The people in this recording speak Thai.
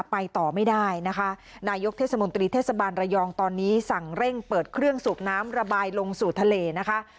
ไปต่อไม่ได้นะคะนายกเทศมนตรีเทศบาลระยองตอนนี้สั่งเร่งเปิดเครื่องสูบน้ำระบายลงสู่ทะเลนะคะ